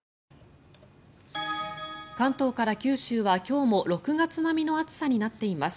関東から九州は今日も６月並みの暑さになっています。